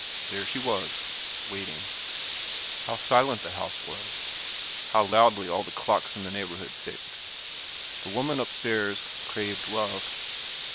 There she was waiting. How silent the house was how loudly all the clocks in the neighborhood ticked. The woman upstairs craved love.